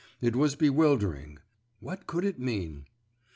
It was bewildering. What could it mean?